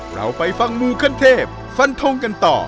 เราไปฟังมูขั้นเทพฟันทงกันต่อ